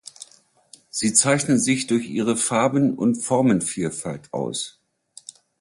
Sie zeichnen sich durch ihre Farben- und Formenvielfalt aus.